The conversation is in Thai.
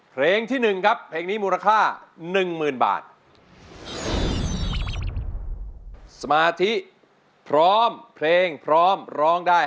เพลงที่๑ครับที่มูลค่าเป็นหนึ่งหมื่นบาทสมาธิพร้อมเพลงพร้อมร้องได้ให้